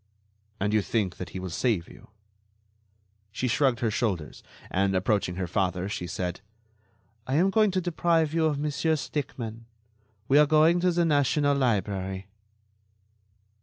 "And you think that he will save you?" She shrugged her shoulders, and, approaching her father, she said: "I am going to deprive you of Monsieur Stickmann. We are going to the National Library."